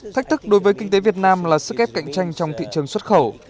thách thức đối với kinh tế việt nam là sức ép cạnh tranh trong thị trường xuất khẩu